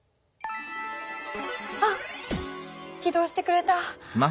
あっ起動してくれた。